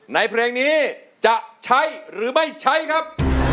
เพลงนี้จะใช้หรือไม่ใช้ครับ